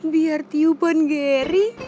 biar tiupan geri